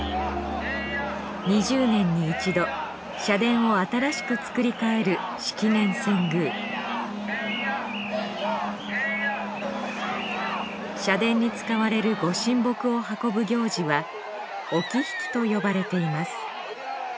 ２０年に一度社殿を新しく造りかえる式年遷宮社殿に使われる御神木を運ぶ行事はお木曳と呼ばれています。